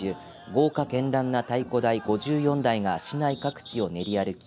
豪華けんらんな太鼓台５４台が市内各地を練り歩き